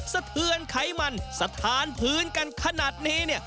สะเทือนไขมันสถานพื้นกันขนาดนี้เนี่ย